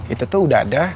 itu tuh udah ada